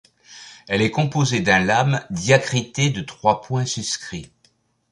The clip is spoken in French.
Elle est composée d’un lām diacrité de trois points suscrits.